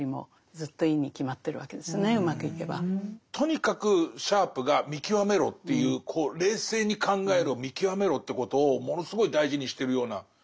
とにかくシャープが見極めろっていう冷静に考えろ見極めろってことをものすごい大事にしてるような気はしますね。